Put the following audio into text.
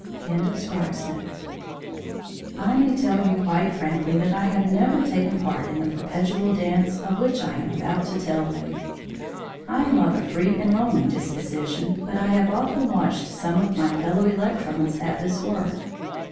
CHAPTER VIII A USEFUL DANCE I may tell you quite frankly that I have never taken part in the perpetual dance of which I am about to tell you. I am of a free and roaming disposition, but I have often watched some of my fellow electrons at this work.